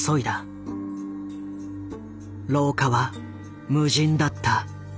廊下は無人だった。